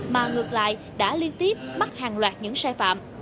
mà ngược lại đã liên tiếp bắt hàng loạt những sai phạm